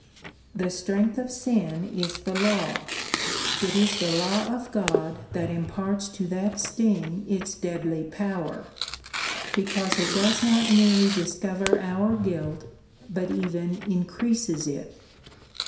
The strength of sin is the law. It is the law of God that imparts to that sting its deadly power, because it does not merely discover our guilt, but even increases it.